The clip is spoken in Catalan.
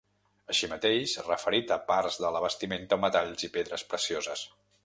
Així mateix, referit a parts de la vestimenta o metalls i pedres precioses.